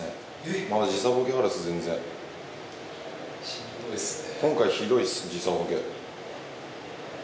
しんどいっすね。